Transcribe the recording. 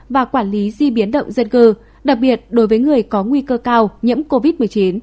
và quản lý di biến động dân cư đặc biệt đối với người có nguy cơ cao nhiễm covid một mươi chín